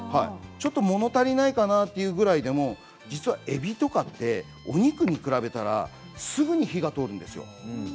ちょっともの足りないかなというぐらいで実は、えびとかってお肉に比べたらすぐに火が通るんですよ。